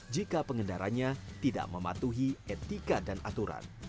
jika pengendaranya tidak mematuhi etika dan aturan